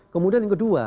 kemudian yang kedua